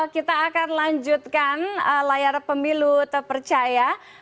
kita akan lanjutkan layar pemilu terpercaya